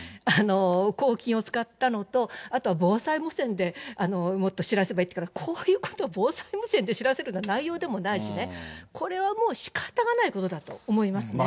公金を使ったのと、あとは防災無線でもっと知らせればいいとか、こういうことを防災無線で知らせるような内容でもないしね、これはもうしかたがないことだと思いますね。